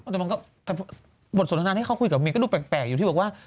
แต่มันก็แต่บทสนทนาที่เขาคุยกับเมียก็ดูแปลกอยู่ที่บอกว่า